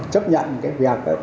chấp nhận cái việc